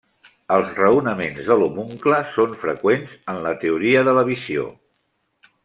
Els raonaments de l'homuncle són freqüents en la teoria de la visió.